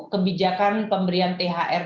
kebijakan pemberian thr